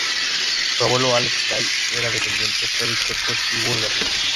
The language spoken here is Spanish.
Su abuelo Alex Kay, era descendiente fue de Checos y Búlgaros.